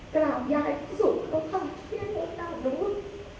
กลับยายสุขเขาค่ะเชื่อโทษต่างนู้น